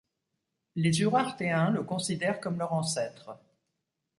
Les Urartéens le considèrent comme leur ancêtre.